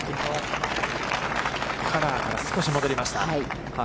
カラーから少し戻りました。